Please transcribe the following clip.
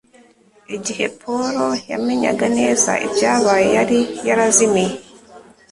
Igihe Paul yamenyaga neza ibyabaye, yari yarazimiye.